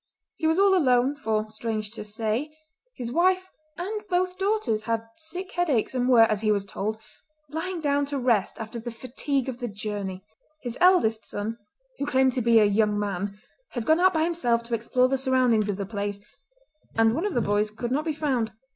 He was all alone, for, strange to say, his wife and both daughters had sick headaches, and were, as he was told, lying down to rest after the fatigue of the journey. His eldest son, who claimed to be a young man, had gone out by himself to explore the surroundings of the place, and one of the boys could not be found.